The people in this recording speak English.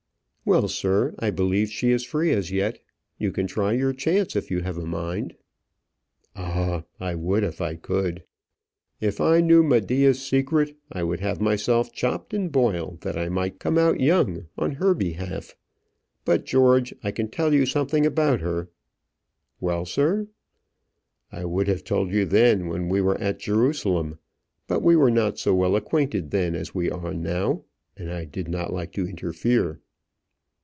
"Well, sir, I believe she is free as yet; you can try your chance if you have a mind." "Ah! I would I could. If I knew Medea's secret, I would have myself chopped and boiled that I might come out young on her behalf; but, George, I can tell you something about her." "Well, sir!" "I would have told you then, when we were at Jerusalem, but we were not so well acquainted then as we are now, and I did not like to interfere."